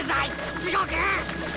地獄！